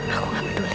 aku gak peduli